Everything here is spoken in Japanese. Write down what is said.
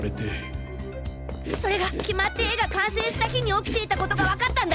現在それが決まって絵が完成した日に起きていたことが分かったんだ。